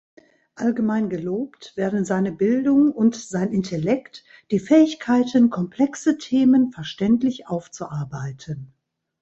Allgemein gelobt werden seine Bildung und sein Intellekt, die Fähigkeiten, komplexe Themen verständlich aufzuarbeiten.